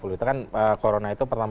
dua ribu dua puluh itu kan corona itu pertama